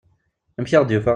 Amek i aɣ-d-yufa?